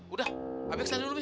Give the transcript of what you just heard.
udah babe kesana dulu mi